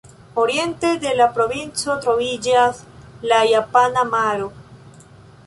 Oriente de la provinco troviĝas la Japana Maro.